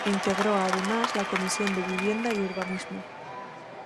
Integró además la Comisión de Vivienda y Urbanismo.